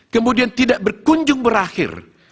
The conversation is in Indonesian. kemudian tidak berkunjung berakhir